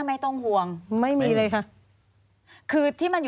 ควิทยาลัยเชียร์สวัสดีครับ